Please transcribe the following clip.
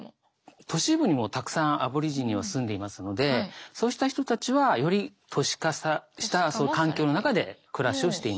都市部にもたくさんアボリジニは住んでいますのでそうした人たちはより都市化した環境の中で暮らしをしています。